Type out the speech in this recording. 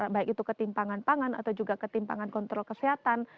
baik itu ketimpangan pangan atau juga ketimpangan kontrol kesehatan